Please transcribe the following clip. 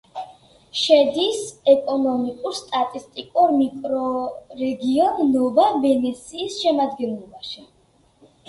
შედის ეკონომიკურ-სტატისტიკურ მიკრორეგიონ ნოვა-ვენესიის შემადგენლობაში.